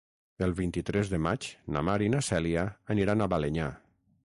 El vint-i-tres de maig na Mar i na Cèlia aniran a Balenyà.